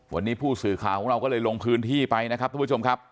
วันนี้ผู้สื่อข่าวของเราก็เลยลงพื้นที่ไปนะครับทุกผู้ชมครับ